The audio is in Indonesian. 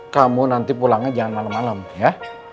kamu nanti pulangnya jangan malem malem ya